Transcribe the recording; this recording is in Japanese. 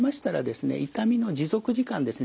痛みの持続時間ですね。